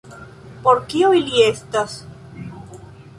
Por kio ili estas?